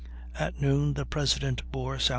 At noon the President bore S. W.